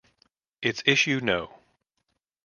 Its issue no.